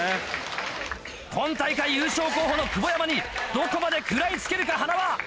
今大会優勝候補の久保山にどこまで食らいつけるか塙。